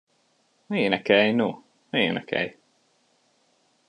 Énekelj, no, énekelj!